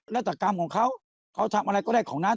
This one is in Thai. และจากการของเขาทำอะไรก็ได้ของนั้น